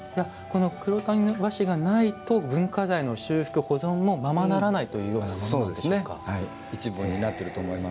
黒谷和紙がないと文化財の修復、保存もままならないというものなんですね。